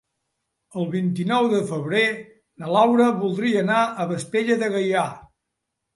El vint-i-nou de febrer na Laura voldria anar a Vespella de Gaià.